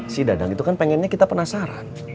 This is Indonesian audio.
si dadang itu kan pengennya kita penasaran